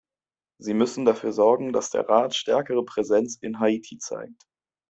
Sie müssen dafür sorgen, dass der Rat stärkere Präsenz in Haiti zeigt.